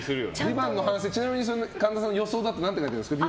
ちなみに神田さんの予想だと何を書いてあるんですか？